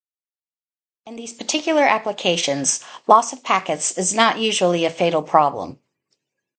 In these particular applications, loss of packets is not usually a fatal problem.